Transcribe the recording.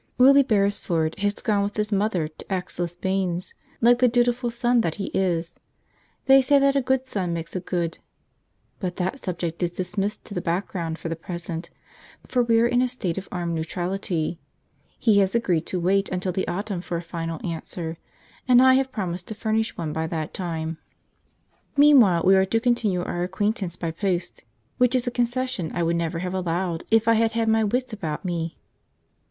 Willie Beresford has gone with his mother to Aix les Bains, like the dutiful son that he is. They say that a good son makes a good But that subject is dismissed to the background for the present, for we are in a state of armed neutrality. He has agreed to wait until the autumn for a final answer, and I have promised to furnish one by that time. Meanwhile, we are to continue our acquaintance by post, which is a concession I would never have allowed if I had had my wits about me.